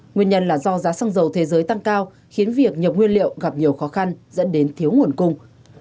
nguyên nhân là do giá xăng dầu thế giới tăng cao khiến việc nhập nguyên liệu gặp nhiều khó khăn dẫn đến thiếu nguồn cung